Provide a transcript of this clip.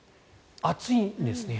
暑いんですね。